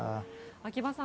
秋葉さん